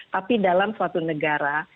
tapi dalam suatu negara